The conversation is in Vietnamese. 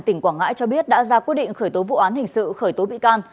tỉnh quảng ngãi cho biết đã ra quyết định khởi tố vụ án hình sự khởi tố bị can